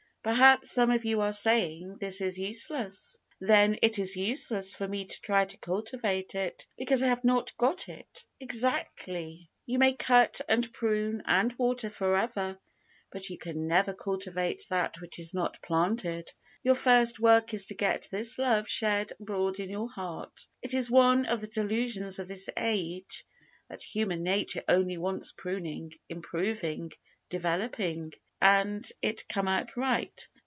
Perhaps some of you are saying, "Then it is useless for me to try to cultivate it, because I have not got it, exactly!" You may cut and prune and water forever, but you can never cultivate that which is not planted. Your first work is to get this love shed abroad in your heart. It is one of the delusions of this age that human nature only wants pruning, improving, developing, and it come out right.